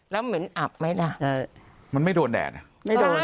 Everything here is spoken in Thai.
ร์บพิเศษ